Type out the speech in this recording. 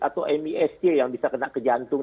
atau mis c yang bisa kena ke jantung